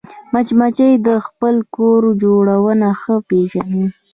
مچمچۍ د خپل کور جوړونه ښه پېژني